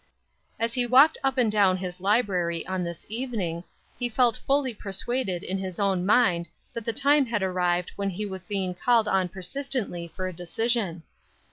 As he walked up and down his library on this evening, he felt fully persuaded in his own mind that the time had arrived when he was being called on persistently for a decision.